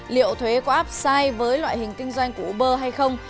liệu thuế qua áp sai với loại hình kinh doanh của uber hay không